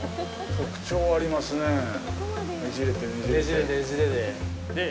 特徴ありますねえ。